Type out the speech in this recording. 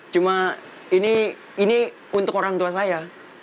cuma ini untuk orang tua saya